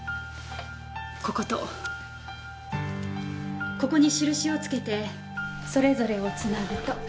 こことここに印を付けてそれぞれをつなぐと。